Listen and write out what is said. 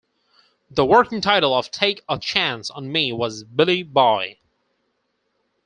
The working title of "Take a Chance on Me" was "Billy Boy".